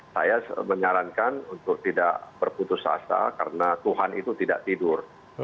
saya menyarankan untuk tidak berputus asa karena tuhan itu tidak tidur